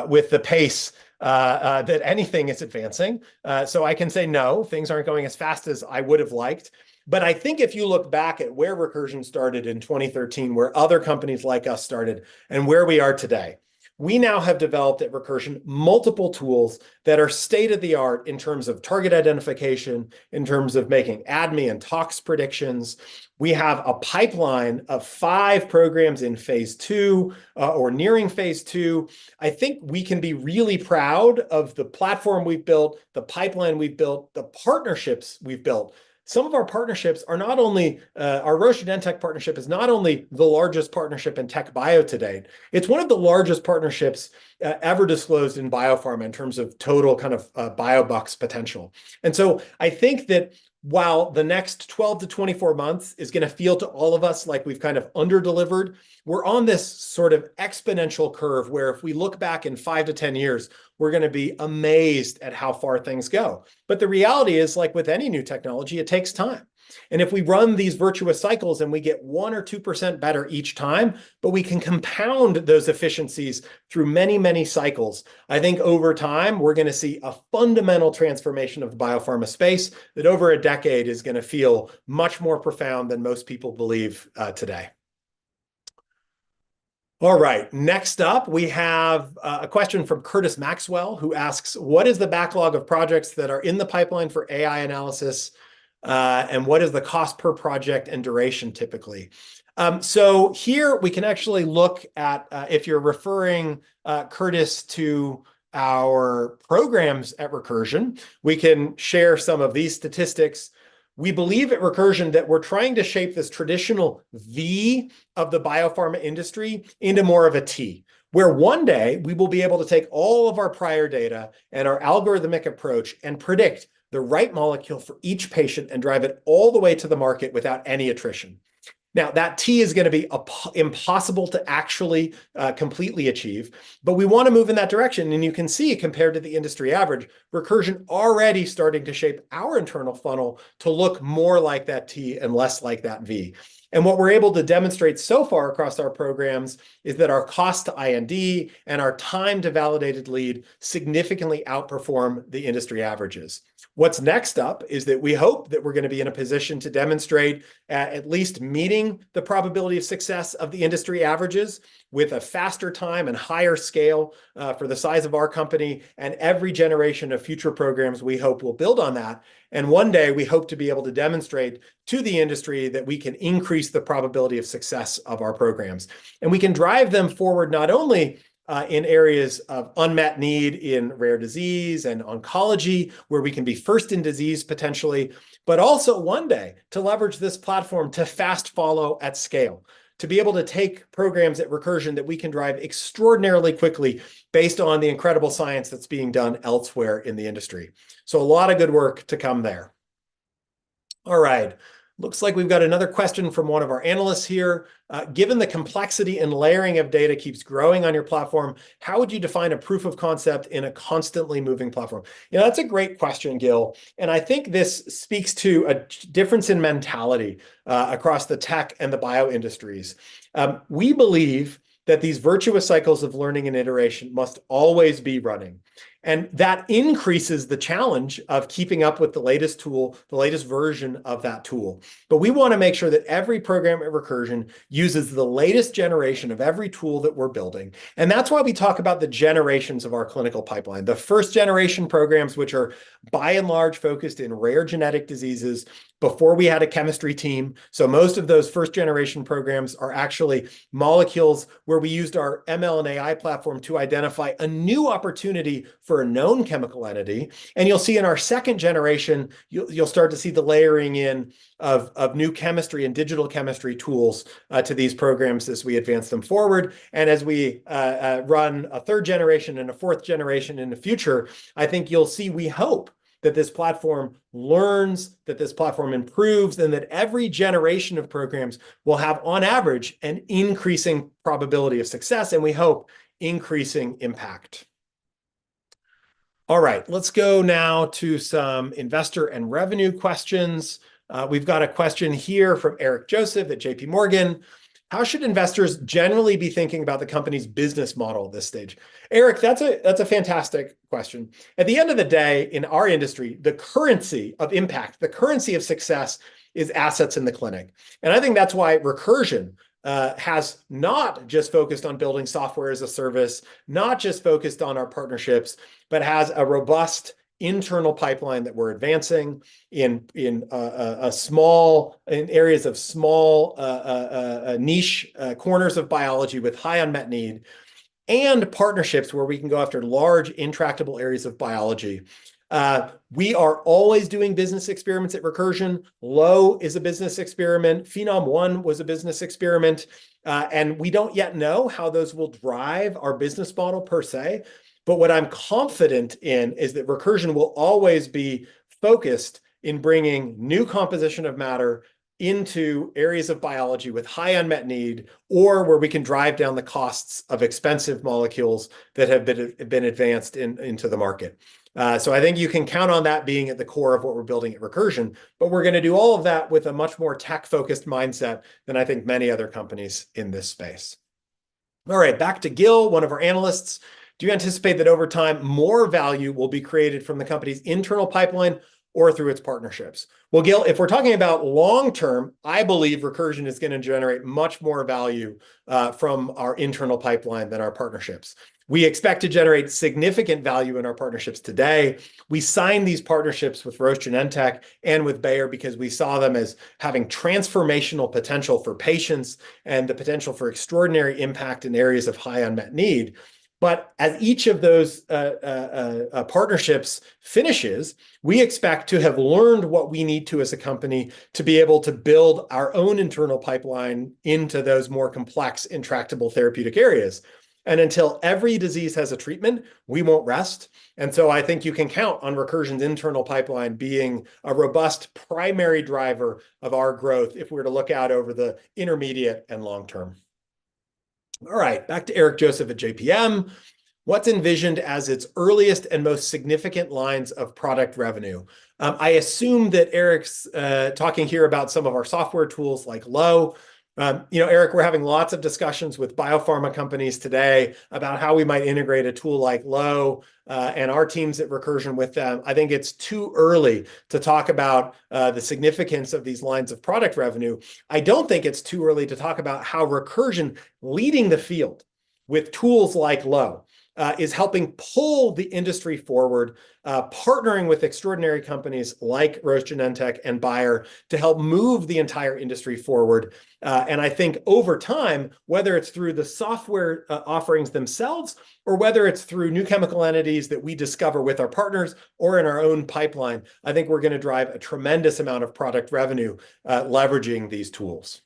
with the pace that anything is advancing. I can say, no, things aren't going as fast as I would have liked. But I think if you look back at where Recursion started in 2013, where other companies like us started, and where we are today, we now have developed at Recursion multiple tools that are state-of-the-art in terms of target identification, in terms of making ADME and tox predictions. We have a pipeline of five programs in phase two or nearing phase two. I think we can be really proud of the platform we've built, the pipeline we've built, the partnerships we've built. Some of our partnerships are not only our Roche Genentech partnership is not only the largest partnership in TechBio today, it's one of the largest partnerships ever disclosed in biopharma in terms of total kind of biobucks potential. And so I think that while the next 12-24 months is gonna feel to all of us like we've kind of underdelivered, we're on this sort of exponential curve, where if we look back in 5-10 years, we're gonna be amazed at how far things go. But the reality is, like with any new technology, it takes time. If we run these virtuous cycles and we get 1% or 2% better each time, but we can compound those efficiencies through many, many cycles, I think over time, we're gonna see a fundamental transformation of the biopharma space, that over a decade is gonna feel much more profound than most people believe, today. All right, next up, we have a question from Curtis Maxwell, who asks, "What is the backlog of projects that are in the pipeline for AI analysis, and what is the cost per project and duration, typically?" So here we can actually look at, if you're referring, Curtis, to our programs at Recursion, we can share some of these statistics. We believe at Recursion that we're trying to shape this traditional V of the biopharma industry into more of a T, where one day we will be able to take all of our prior data and our algorithmic approach and predict the right molecule for each patient and drive it all the way to the market without any attrition. Now, that T is gonna be impossible to actually completely achieve, but we wanna move in that direction. And you can see, compared to the industry average, Recursion already starting to shape our internal funnel to look more like that T and less like that V. And what we're able to demonstrate so far across our programs is that our cost to IND and our time to validated lead significantly outperform the industry averages. What's next up is that we hope that we're gonna be in a position to demonstrate at least meeting the probability of success of the industry averages, with a faster time and higher scale, for the size of our company. Every generation of future programs, we hope, will build on that. One day, we hope to be able to demonstrate to the industry that we can increase the probability of success of our programs. We can drive them forward not only in areas of unmet need in rare disease and oncology, where we can be first in disease, potentially, but also one day to leverage this platform to fast follow at scale, to be able to take programs at Recursion that we can drive extraordinarily quickly based on the incredible science that's being done elsewhere in the industry. A lot of good work to come there... All right, looks like we've got another question from one of our analysts here. "Given the complexity and layering of data keeps growing on your platform, how would you define a proof of concept in a constantly moving platform?" You know, that's a great question, Gil, and I think this speaks to a difference in mentality across the tech and the bio industries. We believe that these virtuous cycles of learning and iteration must always be running, and that increases the challenge of keeping up with the latest tool, the latest version of that tool. But we wanna make sure that every program at Recursion uses the latest generation of every tool that we're building, and that's why we talk about the generations of our clinical pipeline. The first-generation programs, which are by and large, focused in rare genetic diseases before we had a chemistry team, so most of those first-generation programs are actually molecules where we used our ML and AI platform to identify a new opportunity for a known chemical entity. And you'll see in our second generation, you'll start to see the layering in of new chemistry and digital chemistry tools to these programs as we advance them forward. And as we run a third generation and a fourth generation in the future, I think you'll see, we hope, that this platform learns, that this platform improves, and that every generation of programs will have, on average, an increasing probability of success, and we hope, increasing impact. All right, let's go now to some investor and revenue questions. We've got a question here from Eric Joseph at JPMorgan: "How should investors generally be thinking about the company's business model at this stage?" Eric, that's a fantastic question. At the end of the day, in our industry, the currency of impact, the currency of success, is assets in the clinic. And I think that's why Recursion has not just focused on building software as a service, not just focused on our partnerships, but has a robust internal pipeline that we're advancing in areas of small niche corners of biology with high unmet need, and partnerships where we can go after large, intractable areas of biology. We are always doing business experiments at Recursion. LOWE is a business experiment, Phenom-1 was a business experiment, and we don't yet know how those will drive our business model per se, but what I'm confident in is that Recursion will always be focused in bringing new composition of matter into areas of biology with high unmet need, or where we can drive down the costs of expensive molecules that have been advanced into the market. So I think you can count on that being at the core of what we're building at Recursion, but we're gonna do all of that with a much more tech-focused mindset than I think many other companies in this space. All right, back to Gil, one of our analysts: "Do you anticipate that over time, more value will be created from the company's internal pipeline or through its partnerships?" Well, Gil, if we're talking about long term, I believe Recursion is gonna generate much more value from our internal pipeline than our partnerships. We expect to generate significant value in our partnerships today. We signed these partnerships with Roche Genentech and with Bayer because we saw them as having transformational potential for patients and the potential for extraordinary impact in areas of high unmet need. But as each of those partnerships finishes, we expect to have learned what we need to, as a company, to be able to build our own internal pipeline into those more complex, intractable therapeutic areas. And until every disease has a treatment, we won't rest, and so I think you can count on Recursion's internal pipeline being a robust primary driver of our growth if we're to look out over the intermediate and long term. All right, back to Eric Joseph at JPM: "What's envisioned as its earliest and most significant lines of product revenue?" I assume that Eric's talking here about some of our software tools, like LOWE. You know, Eric, we're having lots of discussions with biopharma companies today about how we might integrate a tool like LOWE and our teams at Recursion with them. I think it's too early to talk about the significance of these lines of product revenue. I don't think it's too early to talk about how Recursion, leading the field with tools like LOWE, is helping pull the industry forward, partnering with extraordinary companies like Roche Genentech and Bayer, to help move the entire industry forward. I think over time, whether it's through the software offerings themselves, or whether it's through new chemical entities that we discover with our partners or in our own pipeline, I think we're gonna drive a tremendous amount of product revenue, leveraging these tools.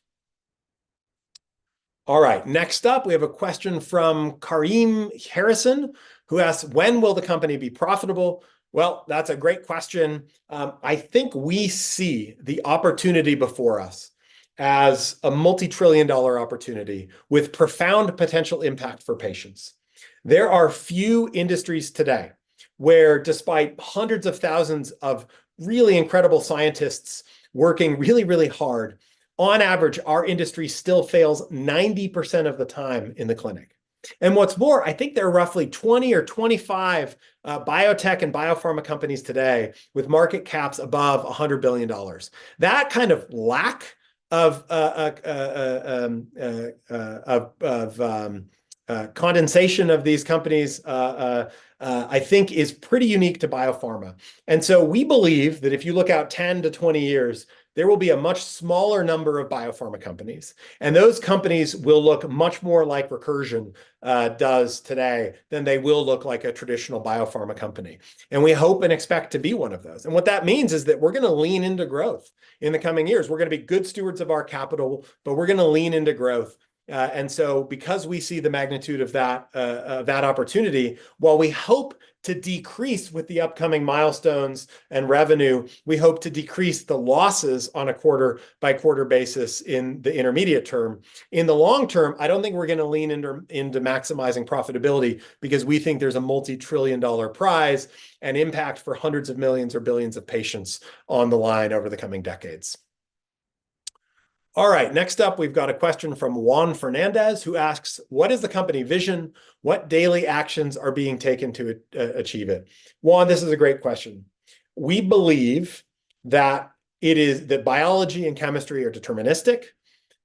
All right, next up, we have a question from Kareem Harrison, who asks, "When will the company be profitable?" Well, that's a great question. I think we see the opportunity before us as a multi-trillion dollar opportunity with profound potential impact for patients. There are few industries today where despite hundreds of thousands of really incredible scientists working really, really hard, on average, our industry still fails 90% of the time in the clinic. And what's more, I think there are roughly 20 or 25 biotech and biopharma companies today with market caps above $100 billion. That kind of lack of condensation of these companies, I think is pretty unique to biopharma. And so we believe that if you look out 10-20 years, there will be a much smaller number of biopharma companies, and those companies will look much more like Recursion does today than they will look like a traditional biopharma company, and we hope and expect to be one of those. What that means is that we're gonna lean into growth in the coming years. We're gonna be good stewards of our capital, but we're gonna lean into growth. So because we see the magnitude of that, that opportunity, while we hope to decrease with the upcoming milestones and revenue, we hope to decrease the losses on a quarter-by-quarter basis in the intermediate term. In the long term, I don't think we're gonna lean into maximizing profitability because we think there's a multi-trillion dollar prize and impact for hundreds of millions or billions of patients on the line over the coming decades. All right, next up, we've got a question from Juan Fernandez, who asks, "What is the company vision? What daily actions are being taken to achieve it?" Juan, this is a great question. We believe that biology and chemistry are deterministic,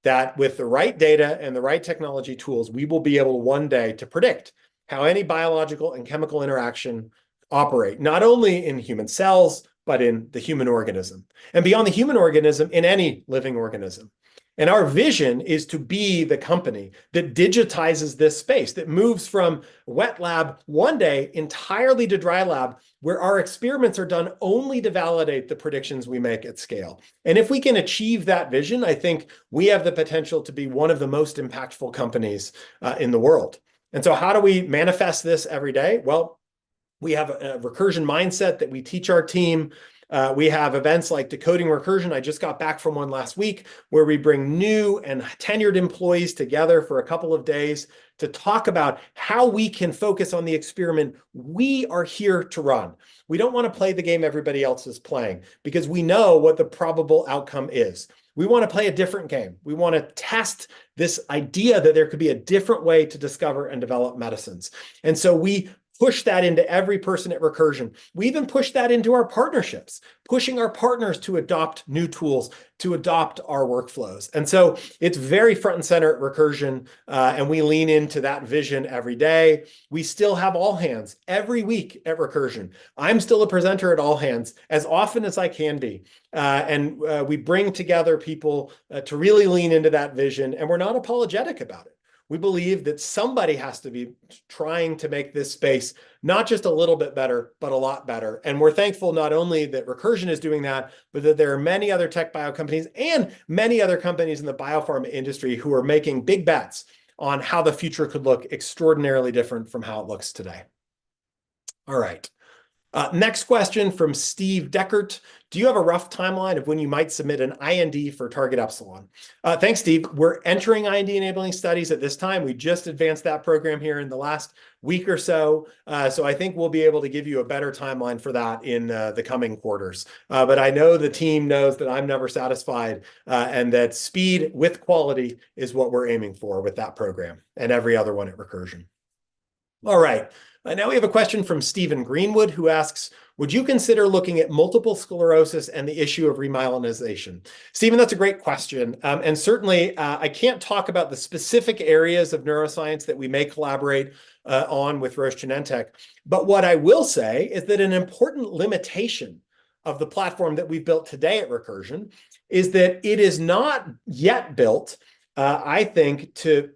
that with the right data and the right technology tools, we will be able one day to predict how any biological and chemical interaction operate, not only in human cells, but in the human organism, and beyond the human organism, in any living organism. And our vision is to be the company that digitizes this space, that moves from wet lab one day entirely to dry lab, where our experiments are done only to validate the predictions we make at scale. And if we can achieve that vision, I think we have the potential to be one of the most impactful companies in the world. And so how do we manifest this every day? Well, we have a Recursion mindset that we teach our team. We have events like Decoding Recursion. I just got back from one last week, where we bring new and tenured employees together for a couple of days to talk about how we can focus on the experiment we are here to run. We don't wanna play the game everybody else is playing, because we know what the probable outcome is. We wanna play a different game. We wanna test this idea that there could be a different way to discover and develop medicines. And so we push that into every person at Recursion. We even push that into our partnerships, pushing our partners to adopt new tools, to adopt our workflows. And so it's very front and center at Recursion, and we lean into that vision every day. We still have All Hands every week at Recursion. I'm still a presenter at All Hands as often as I can be. And we bring together people to really lean into that vision, and we're not apologetic about it. We believe that somebody has to be trying to make this space not just a little bit better, but a lot better. And we're thankful not only that Recursion is doing that, but that there are many other TechBio companies and many other companies in the biopharma industry who are making big bets on how the future could look extraordinarily different from how it looks today. All right, next question from Steve Deckert: "Do you have a rough timeline of when you might submit an IND for Target Epsilon?" Thanks, Steve. We're entering IND-enabling studies at this time. We just advanced that program here in the last week or so. So I think we'll be able to give you a better timeline for that in the coming quarters. But I know the team knows that I'm never satisfied, and that speed with quality is what we're aiming for with that program and every other one at Recursion. All right, now we have a question from Steven Greenwood, who asks, "Would you consider looking at multiple sclerosis and the issue of remyelination?" Steven, that's a great question. Certainly, I can't talk about the specific areas of neuroscience that we may collaborate on with Roche Genentech, but what I will say is that an important limitation of the platform that we've built today at Recursion is that it is not yet built, I think, to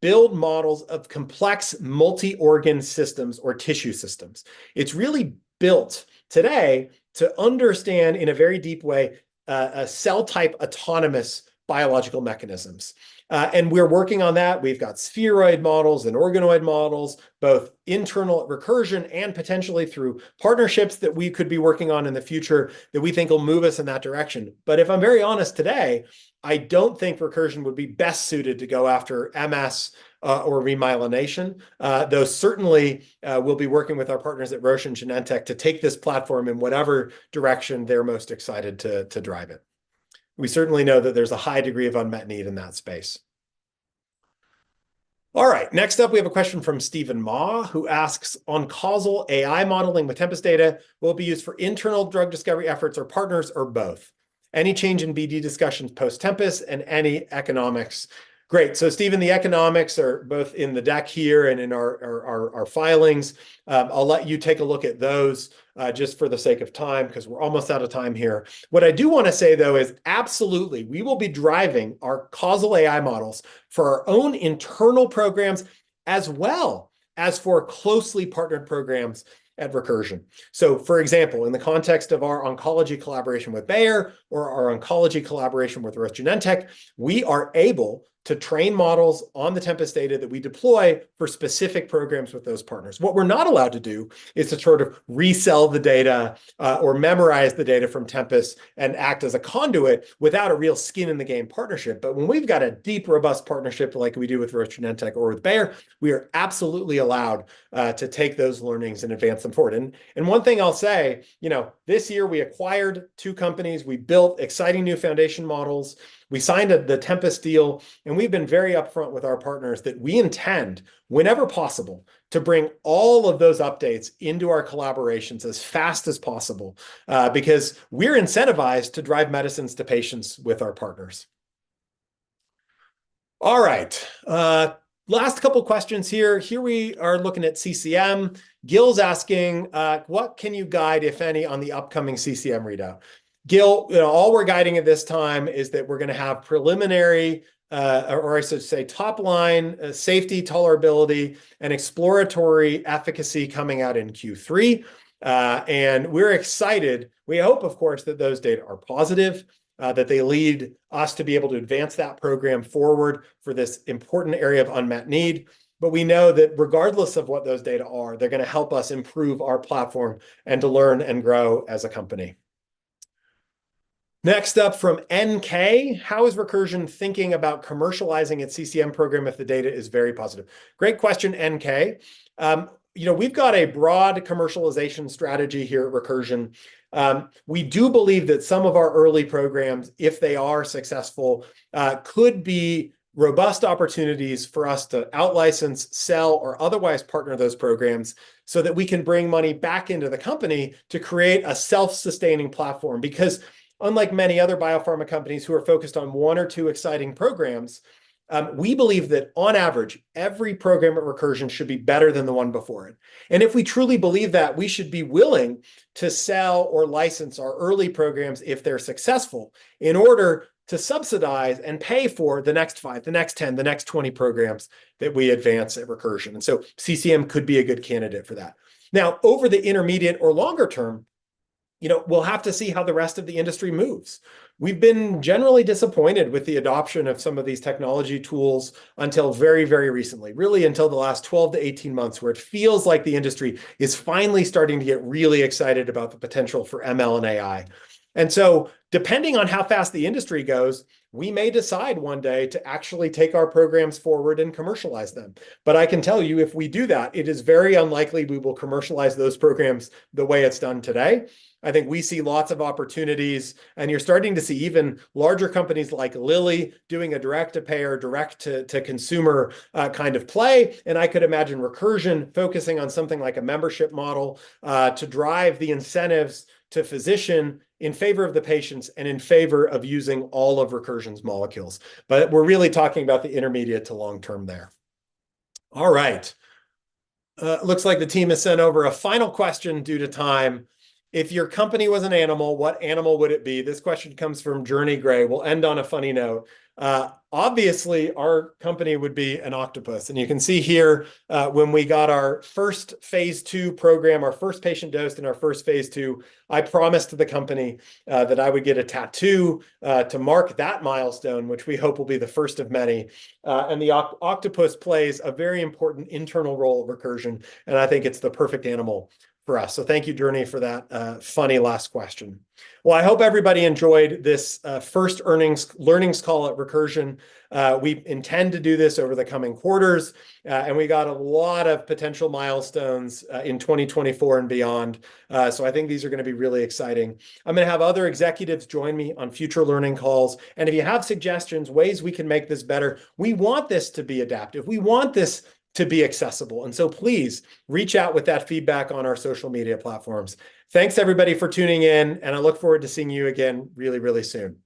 build models of complex multi-organ systems or tissue systems. It's really built today to understand, in a very deep way, a cell-type autonomous biological mechanisms. And we're working on that. We've got spheroid models and organoid models, both internal at Recursion and potentially through partnerships that we could be working on in the future that we think will move us in that direction. But if I'm very honest today, I don't think Recursion would be best suited to go after MS, or remyelination. Though, we'll be working with our partners at Roche Genentech to take this platform in whatever direction they're most excited to, to drive it. We certainly know that there's a high degree of unmet need in that space. All right, next up, we have a question from Steven Ma, who asks, "On causal AI modeling with Tempus data will be used for internal drug discovery efforts or partners or both? Any change in BD discussions post Tempus and any economics?" Great, so Steven, the economics are both in the deck here and in our filings. I'll let you take a look at those, just for the sake of time, 'cause we're almost out of time here. What I do wanna say, though, is absolutely, we will be driving our causal AI models for our own internal programs, as well as for closely partnered programs at Recursion. So, for example, in the context of our oncology collaboration with Bayer or our oncology collaboration with Roche Genentech, we are able to train models on the Tempus data that we deploy for specific programs with those partners. What we're not allowed to do is to sort of resell the data, or memorize the data from Tempus and act as a conduit without a real skin in the game partnership. But when we've got a deep, robust partnership like we do with Roche Genentech or with Bayer, we are absolutely allowed, to take those learnings and advance them forward. One thing I'll say, you know, this year we acquired two companies, we built exciting new foundation models, we signed the Tempus deal, and we've been very upfront with our partners that we intend, whenever possible, to bring all of those updates into our collaborations as fast as possible, because we're incentivized to drive medicines to patients with our partners. All right, last couple questions here. Here we are looking at CCM. Gil's asking, "What can you guide, if any, on the upcoming CCM readout?" Gil, you know, all we're guiding at this time is that we're gonna have preliminary, or I should say, top-line, safety, tolerability, and exploratory efficacy coming out in Q3. And we're excited. We hope, of course, that those data are positive, that they lead us to be able to advance that program forward for this important area of unmet need. But we know that regardless of what those data are, they're gonna help us improve our platform and to learn and grow as a company.... Next up from NK, "How is Recursion thinking about commercializing its CCM program if the data is very positive?" Great question, NK. You know, we've got a broad commercialization strategy here at Recursion. We do believe that some of our early programs, if they are successful, could be robust opportunities for us to out-license, sell, or otherwise partner those programs so that we can bring money back into the company to create a self-sustaining platform. Because unlike many other biopharma companies who are focused on one or two exciting programs, we believe that on average, every program at Recursion should be better than the one before it. And if we truly believe that, we should be willing to sell or license our early programs if they're successful, in order to subsidize and pay for the next five, the next 10, the next 20 programs that we advance at Recursion. And so CCM could be a good candidate for that. Now, over the intermediate or longer term, you know, we'll have to see how the rest of the industry moves. We've been generally disappointed with the adoption of some of these technology tools until very, very recently, really until the last 12-18 months, where it feels like the industry is finally starting to get really excited about the potential for ML and AI. So, depending on how fast the industry goes, we may decide one day to actually take our programs forward and commercialize them. But I can tell you, if we do that, it is very unlikely we will commercialize those programs the way it's done today. I think we see lots of opportunities, and you're starting to see even larger companies like Lilly doing a direct-to-payer, direct-to-consumer kind of play. And I could imagine Recursion focusing on something like a membership model to drive the incentives to physician in favor of the patients and in favor of using all of Recursion's molecules. But we're really talking about the intermediate to long term there. All right, looks like the team has sent over a final question due to time. "If your company was an animal, what animal would it be?" This question comes from Journey Gray. We'll end on a funny note. Obviously, our company would be an octopus, and you can see here, when we got our first phase II program, our first patient dosed in our first phase II, I promised the company, that I would get a tattoo, to mark that milestone, which we hope will be the first of many. And the octopus plays a very important internal role at Recursion, and I think it's the perfect animal for us. So thank you, Journey, for that, funny last question. Well, I hope everybody enjoyed this, first Earnings & Learnings call at Recursion. We intend to do this over the coming quarters, and we got a lot of potential milestones, in 2024 and beyond. So I think these are gonna be really exciting. I'm gonna have other executives join me on future learning calls, and if you have suggestions, ways we can make this better, we want this to be adaptive. We want this to be accessible, and so please reach out with that feedback on our social media platforms. Thanks, everybody, for tuning in, and I look forward to seeing you again really, really soon.